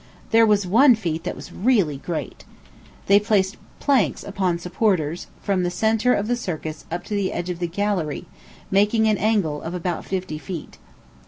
There was one feat that was really great. They placed planks upon supporters, from the centre of the circus up to the edge of the gallery, making an angle of about fifty feet.